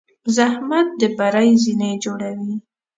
زحمت د بری زینې جوړوي.